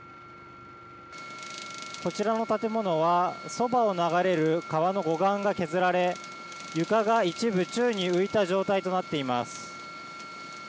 こちらの建物は、そばを流れる川の護岸が削られ、床が一部、宙に浮いた状態となっています。